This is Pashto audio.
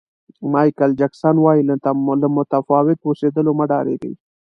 مایکل جکسن وایي له متفاوت اوسېدلو مه ډارېږئ.